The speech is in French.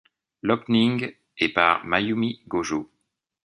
L'opening est par Mayumi Gojo.